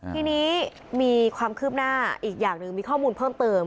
ทีนี้มีความคืบหน้าอีกอย่างหนึ่งมีข้อมูลเพิ่มเติม